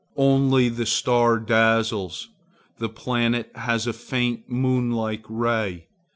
Only the star dazzles; the planet has a faint, moon like ray.